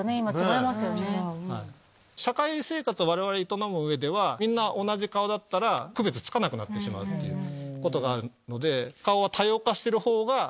社会生活を我々営む上でみんな同じ顔だったら区別つかなくなってしまうということがあるので。